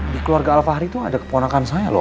di keluarga alfahri itu ada keponakan saya loh